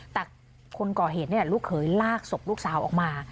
แต่คนก่อเหตุลูกเขยลากศพลูกสาวออกมา